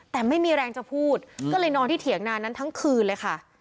แต่ไม่มีแรงจะพูดก็เลยนอนที่เถียงนานนั้นทั้งคืนเลยค่ะ